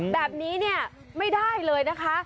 แบบนี้เนี่ยไม่ได้เลยนะคะ